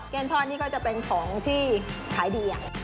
เกลี้ยนทอดนี่ก็จะเป็นของที่ขายดี